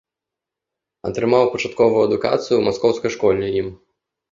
Атрымаў пачатковую адукацыю ў маскоўскай школе ім.